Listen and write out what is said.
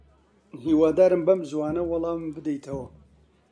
هیوادارم بەم زووانە وەڵامم بدەیتەوە.